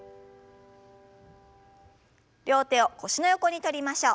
両手を腰の横に取りましょう。